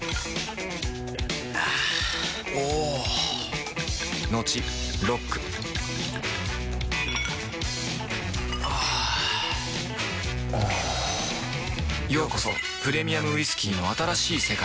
あぁおぉトクトクあぁおぉようこそプレミアムウイスキーの新しい世界へ